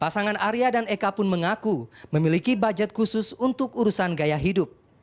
pasangan arya dan eka pun mengaku memiliki budget khusus untuk urusan gaya hidup